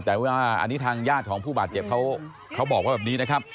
แต่ว่าอันนี้ทางญาติของผู้บาดเจ็บเขาบอกว่าแบบนี้นะครับ